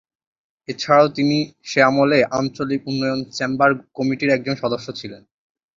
এছাড়াও তিনি সে আমলে আঞ্চলিক উন্নয়ন চেম্বার কমিটির একজন সদস্য ছিলেন।